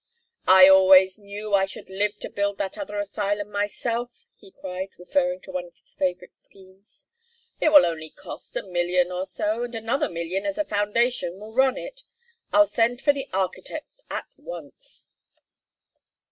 "I always knew I should live to build that other asylum myself!" he cried, referring to one of his favourite schemes. "It will only cost a million or so, and another million as a foundation will run it. I'll send for the architects at once."